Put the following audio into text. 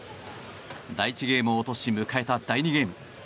第１ゲームを落とし迎えた第２ゲーム。